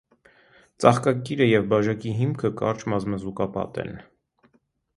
Ծաղկակիրը և բաժակի հիմքը կարճ մազմզուկապատ են։